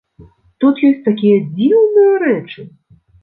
Тут ёсць такія дзіўныя рэчы!